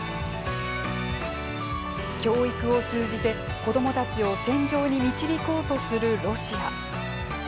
教育を通じて子どもたちを戦場に導こうとするロシア。